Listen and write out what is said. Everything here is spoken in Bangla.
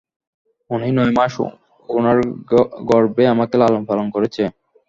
উনি নয়মাস উনার গর্ভে আমাকে লালনপালন করেছে।